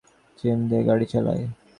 জিন জেগে থাকলে কিন্তু জোরেই গাড়ি চালায়।